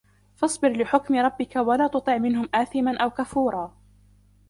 فاصبر لحكم ربك ولا تطع منهم آثما أو كفورا